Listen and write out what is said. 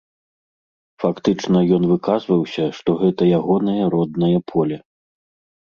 Фактычна ён выказваўся, што гэта ягонае роднае поле.